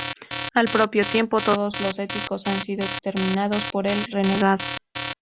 Al propio tiempo, todos los Éticos han sido exterminados por el renegado.